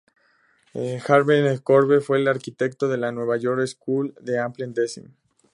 Harvey Wiley Corbett fue el arquitecto de la New York School of Applied Design.